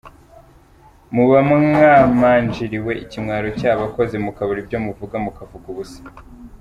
Muba mwamanjiriwe, ikimwaro cyabakoze mukabura ibyo muvuga mukavuga ubusa.